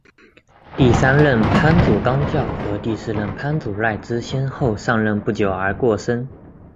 在第三任藩主纲教和第四任藩主赖织先后上任不久而过身。